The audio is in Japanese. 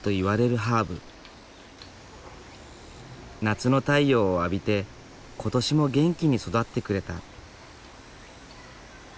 夏の太陽を浴びて今年も元気に育ってくれた。